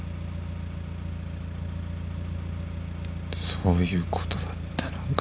そういうことだったのか。